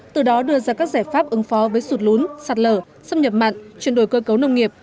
từ đó đưa ra các giải pháp ứng phó với sụt lún sạt lở xâm nhập mặn chuyển đổi cơ cấu nông nghiệp